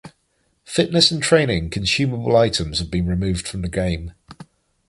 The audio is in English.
Fitness and training consumable items have been removed from the game.